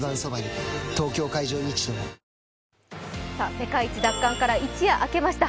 世界一奪還から一夜明けました。